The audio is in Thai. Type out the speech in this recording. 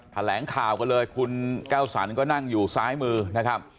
แถลงข่าวกันเลยคุณแก้วสันก็นั่งอยู่ซ้ายมือนะครับ